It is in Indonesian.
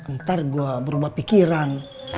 ntar gue berubah pikiran